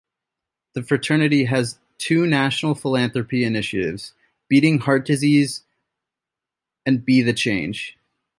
The fraternity has two national philanthropy initiatives: Beating Heart Disease and Be the Change.